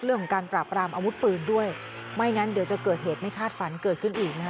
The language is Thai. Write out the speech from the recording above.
เรื่องของการปราบรามอาวุธปืนด้วยไม่งั้นเดี๋ยวจะเกิดเหตุไม่คาดฝันเกิดขึ้นอีกนะฮะ